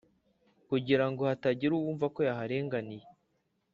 kugira ngo hatagira uwumva ko yaharenganiye.